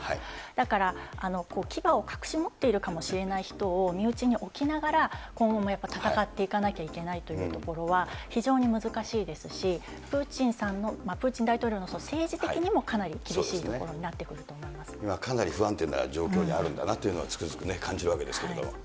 だから、きばを隠し持っているかもしれない人を身内に置きながら、今後もやっぱり戦っていかなければいけないというところは、非常に難しいですし、プーチンさんの、プーチン大統領の政治的にもかなり厳しいところになってくると思かなり不安定な状況にあるんだなというのを、つくづく感じるわけですけれども。